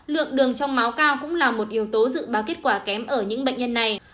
lượng đường trong máu cao cũng là một yếu tố dự báo kết quả kém ở những bệnh nhân này